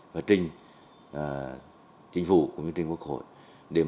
và trình chính phủ cũng như trình quốc hội